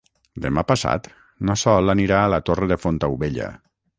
Demà passat na Sol anirà a la Torre de Fontaubella.